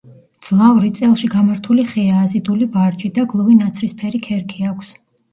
მძლავრი წელში გამართული ხეა, აზიდული ვარჯი და გლუვი ნაცრისფერი ქერქი აქვს.